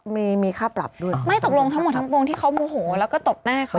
มีค่าปรับด้วยไม่ตกลงทั้งหมดทั้งใกล้วิวที่เขามุโหเราก็ตบหน้าเขา